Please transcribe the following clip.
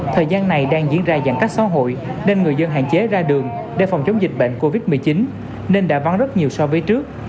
thời gian này đang diễn ra giãn cách xã hội nên người dân hạn chế ra đường để phòng chống dịch bệnh covid một mươi chín nên đã vắng rất nhiều so với trước